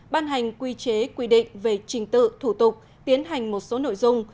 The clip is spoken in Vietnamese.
ban hành quy chế quy định về trình tự thủ tục tiến hành một số nội dung